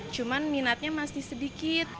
cuman minatnya masih sedikit